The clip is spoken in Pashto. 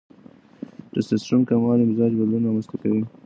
ټیسټسټرون کموالی مزاج بدلون رامنځته کوي.